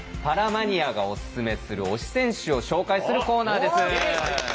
パラマニアがオススメする推し選手を紹介するコーナーです。